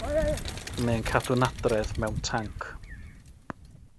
Mae e'n cadw nadredd mewn tanc.